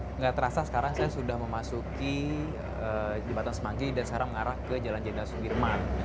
tidak terasa sekarang saya sudah memasuki jembatan semanggi dan sekarang mengarah ke jalan jenderal sudirman